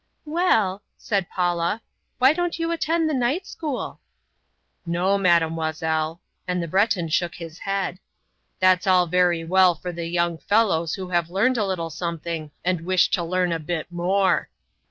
"Well," said Paula, "why don't you attend the night school?" "No, Mademoiselle," and the Breton shook his head; "that's all very well for the young fellows who have learned a little something and wish to learn a bit more.